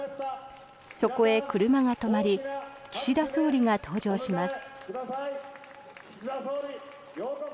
そこへ車が止まり岸田総理が登場します。